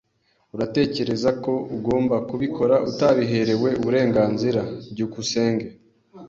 Uratekereza ko ugomba kubikora utabiherewe uburenganzira? byukusenge